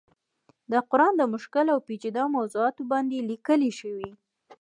د قرآن د مشکل او پيچيده موضوعاتو باندې ليکلی شوی